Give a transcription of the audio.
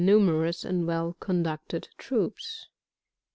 numerous and well conducted troops.